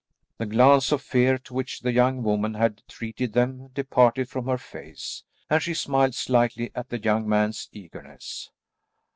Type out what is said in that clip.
The glance of fear to which the young woman had treated them departed from her face, and she smiled slightly at the young man's eagerness.